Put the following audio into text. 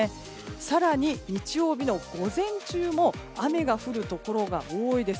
更に、日曜日の午前中も雨が降るところが多いです。